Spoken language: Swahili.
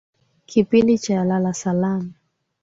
Kipindi cha lala salama.